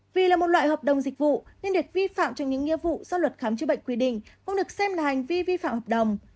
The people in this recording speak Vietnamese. vì là một loại hợp đồng dịch vụ nên việc vi phạm trong những nghĩa vụ do luật khám chữa bệnh quy định cũng được xem là hành vi vi phạm hợp đồng